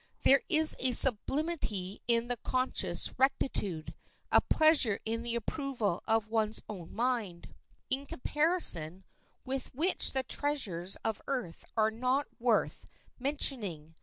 There is a sublimity in conscious rectitude, a pleasure in the approval of one's own mind, in comparison with which the treasures of earth are not worth mentioning.